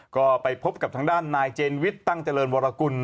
ก็ไปพบกับทางด้านนายเจนวิทย์ตั้งเจริญวรกุล